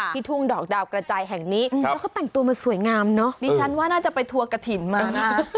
ทุ่งดอกดาวกระจายแห่งนี้แล้วเขาแต่งตัวมาสวยงามเนอะดิฉันว่าน่าจะไปทัวร์กระถิ่นมานะ